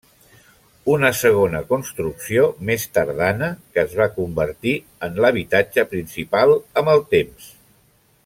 Una segona construcció més tardana que es va convertir en l'habitatge principal amb el temps.